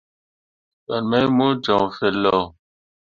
Fan mai mo joŋ feelao.